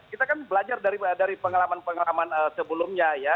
kita kan belajar dari pengalaman pengalaman sebelumnya ya